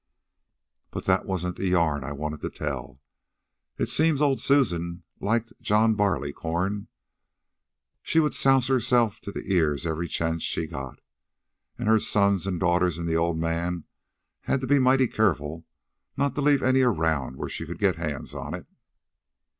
"But that wasn't the yarn I wanted to tell. It seems old Susan liked John Barleycorn. She'd souse herself to the ears every chance she got. An' her sons an' daughters an' the old man had to be mighty careful not to leave any around where she could get hands on it."